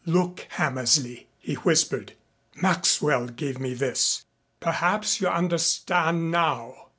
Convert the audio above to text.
"Look, Hammersley," he whispered. "Maxwell gave me this! Perhaps you understand now."